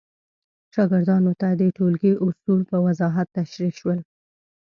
شاګردانو ته د ټولګي اصول په وضاحت تشریح شول.